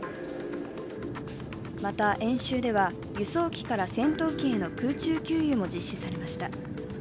また、演習では輸送機から戦闘機への空中給油も実施されました。